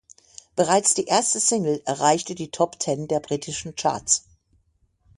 Bereits die erste Single erreichte die Top Ten der britischen Charts.